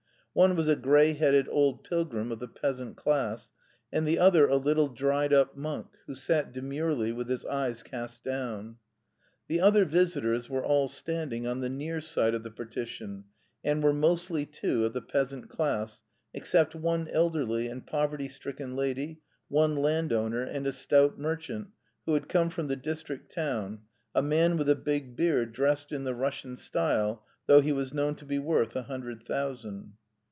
One was a grey headed old pilgrim of the peasant class, and the other a little, dried up monk, who sat demurely, with his eyes cast down. The other visitors were all standing on the near side of the partition, and were mostly, too, of the peasant class, except one elderly and poverty stricken lady, one landowner, and a stout merchant, who had come from the district town, a man with a big beard, dressed in the Russian style, though he was known to be worth a hundred thousand.